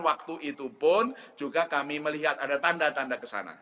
waktu itu pun juga kami melihat ada tanda tanda kesana